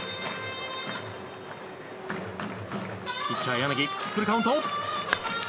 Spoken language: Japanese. ピッチャー柳フルカウント。